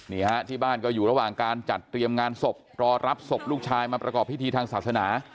นี่ฮะที่บ้านก็อยู่ระหว่างการจัดเตรียมงานศพรอรับศพลูกชายมาประกอบพิธีทางศาสนา